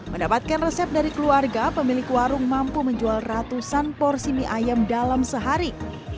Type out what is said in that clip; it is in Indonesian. mendapatkan resep dari keluarga pemilik warung mampu menjual ratusan porsi mie ayam dalam sehari